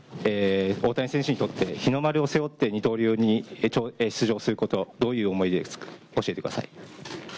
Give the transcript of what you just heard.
大谷選手にとって日の丸を背負って二刀流に出場することどういう思いなのか教えてください。